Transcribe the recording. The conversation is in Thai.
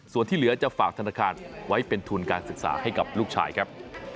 ส่วนที่เหลือจะฝากธนาคารไว้เป็นทุนการศึกษาให้กับลูกชายครับ